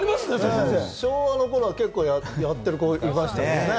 昭和の頃は結構やってましたけどね。